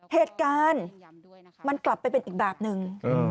เหตุการณ์มันกลับไปเป็นอีกแบบนึง